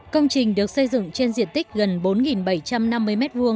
công trình được xây dựng trên diện tích gần bốn bảy trăm năm mươi m hai